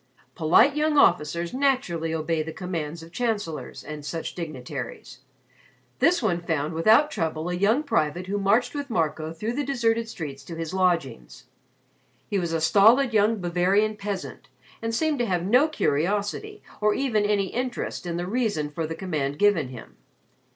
Polite young officers naturally obey the commands of Chancellors and such dignitaries. This one found without trouble a young private who marched with Marco through the deserted streets to his lodgings. He was a stolid young Bavarian peasant and seemed to have no curiosity or even any interest in the reason for the command given him.